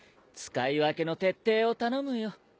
使い分けの徹底を頼むよ。